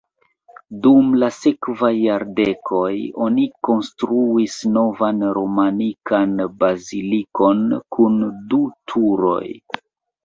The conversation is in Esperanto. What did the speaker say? Dum la sekvaj jardekoj oni konstruis novan romanikan bazilikon kun du turoj.